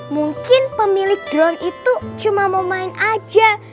mungkin pemilik drone itu cuma mau main aja